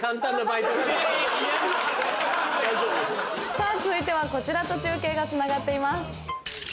さぁ続いてはこちらと中継がつながっています。